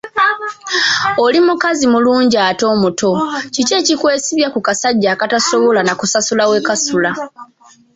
Oli mukazi mulungi ate omuto, kiki ekikwesibya ku kasajja akatasobola na kusasula we kasula?